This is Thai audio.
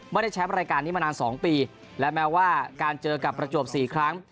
แชมป์รายการนี้มานาน๒ปีและแม้ว่าการเจอกับประจวบ๔ครั้ง